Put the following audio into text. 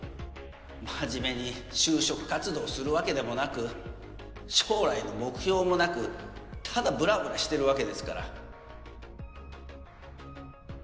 真面目に就職活動するわけでもなく将来の目標もなくただブラブラしてるわけですから。